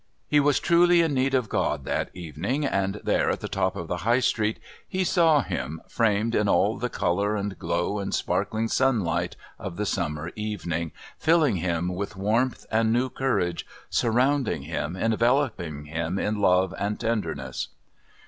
He was truly in need of God that evening, and there, at the top of the High Street, he saw Him framed in all the colour and glow and sparkling sunlight of the summer evening, filling him with warmth and new courage, surrounding him, enveloping him in love and tenderness.